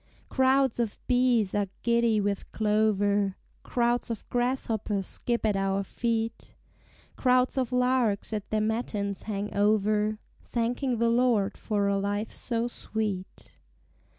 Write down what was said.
Crowds of bees are giddy with clover, Crowds of grasshoppers skip at our feet: Crowds of larks at their matins hang over, Thanking the Lord for a life so sweet.